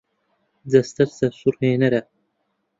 جەستەت سەرسوڕهێنەرە.